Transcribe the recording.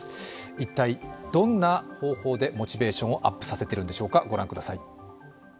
一体どんな方法でモチベーションをアップさせているんでしょうか、御覧ください。